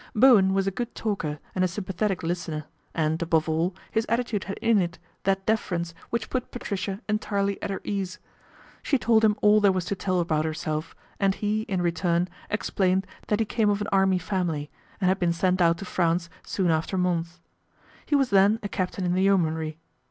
Bowen was a good talker and a sympathetic listener and, above all, his attitude had in it that deference which put Patricia entirely at her ease. She told him all there was to tell about herself and he, in return, explained that he came of an army family, and had been sent out to France soon after Mons. He was then a captain in the Yeomanry.